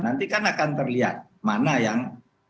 nanti kan akan terlihat mana yang